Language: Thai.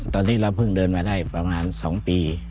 ตอนนี้เราเพิ่งเดินมาได้ประมาณ๒ปี